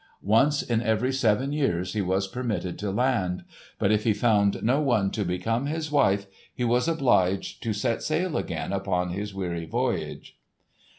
Once in every seven years he was permitted to land; but if he found no one to become his wife, he was obliged to set sail again upon his weary voyage.